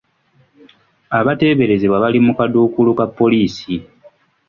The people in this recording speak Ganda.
Abateeberezebwa bali mu kaduukulu ka poliisi.